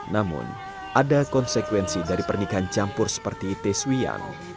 namun ada konsekuensi dari pernikahan campur seperti teswian